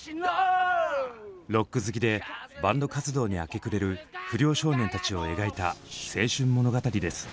ロック好きでバンド活動に明け暮れる不良少年たちを描いた青春物語です。